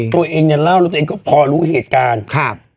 ตัวเองอย่าเล่าเดี๋ยวแล้วตัวเองก็พอรู้เหตุการณ์